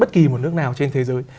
bất kỳ một nước nào trên thế giới